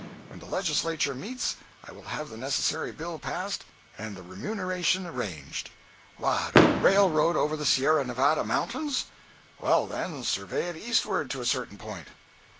When the legislature meets I will have the necessary bill passed and the remuneration arranged." "What, a railroad over the Sierra Nevada Mountains?" "Well, then, survey it eastward to a certain point!"